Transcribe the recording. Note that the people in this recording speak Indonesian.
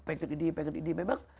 pengen ini pengen itu